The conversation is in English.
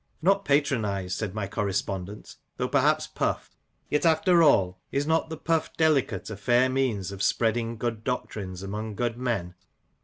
"Not patronize," said my correspondent, "though perhaps puff. Yet, after all, is not the puff delicate a fair means of spreading good doctrines among good men